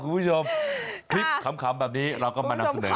คุณผู้ชมคลิปขำแบบนี้เราก็มานำเสนอ